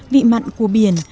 vị mặn của biển